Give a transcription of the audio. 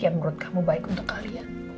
yang menurut kamu baik untuk kalian